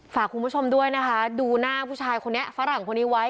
ฝากคุณผู้ชมด้วยนะคะดูหน้าผู้ชายคนนี้ฝรั่งคนนี้ไว้